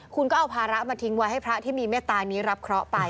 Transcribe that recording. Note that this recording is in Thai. คุณก็เอาภาระมาทิ้งไว้ให้พระที่มีเมตตานี้รับเคราะห์ไป